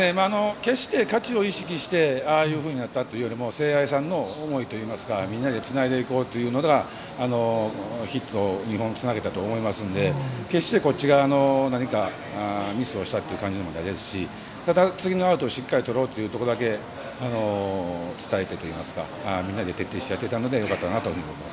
決して勝ちを意識してああいうふうになったというよりも聖愛さんの思いといいますかみんなでつないでいこうというのがヒット２本つなげたと思いますので決して、こちら側のミスをしたという感じではないですしただ、次のアウトをしっかりとることだけを伝えてといいますかみんなで徹底してやってたのでよかったなと思います。